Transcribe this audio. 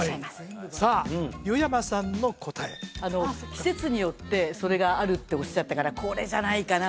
季節によってそれがあるっておっしゃったからこれじゃないかな